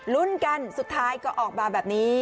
ลุ้นกันสุดท้ายก็ออกมาแบบนี้